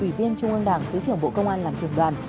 ủy viên trung ương đảng thứ trưởng bộ công an làm trường đoàn